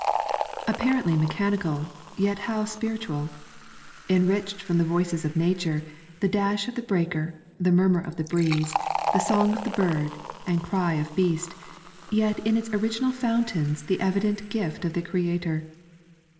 Appareotiy mechanical, yet how spiritual. Enriched from the voices of nature, the dash of the breaker, the murmur of the breeze, the Bong of the bird, and cry of beast, yet in its oiiginal fountains the evident gift of the Creator.